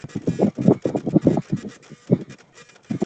主任苏智良教授及其团队